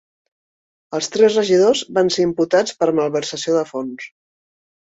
Els tres regidors van ser imputats per malversació de fons.